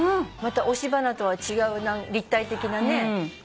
また押し花とは違う立体的なね。